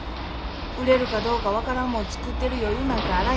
売れるかどうか分からんもん作ってる余裕なんかあらへんねん。